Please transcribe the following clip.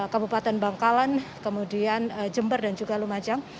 kabupaten bangkalan kemudian jember dan juga lumajang